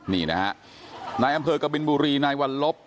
นี่นะฮะนายอำเภอกบินบุรีนายวัลลบ